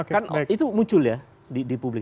kan itu muncul ya di publik